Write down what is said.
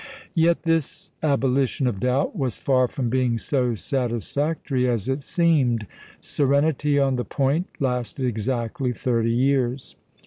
Yet this abolition of doubt was far from being so satisfactory as it seemed. Serenity on the point lasted exactly thirty years.